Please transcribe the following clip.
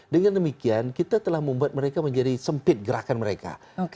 dengan demikian kita telah membuat mereka menjadi sempit gerakan mereka